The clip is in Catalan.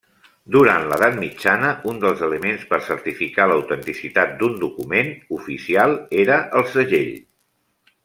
Durant l'edat mitjana, un dels elements per certificar l'autenticitat d'un document oficial era el segell.